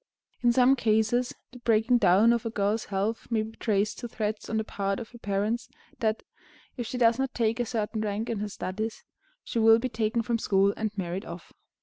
In some cases, the breaking down of a girl's health may be traced to threats on the part of her parents that, if she does not take a certain rank in her studies, she will be taken from school and married off.